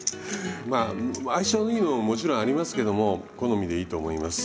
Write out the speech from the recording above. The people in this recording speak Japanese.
まあ相性のいいのももちろんありますけども好みでいいと思います。